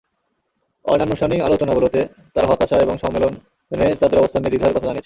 অনানুষ্ঠানিক আলোচনাগুলোতে তাঁরা হতাশা এবং সম্মেলনে তাঁদের অবস্থান নিয়ে দ্বিধার কথা জানিয়েছেন।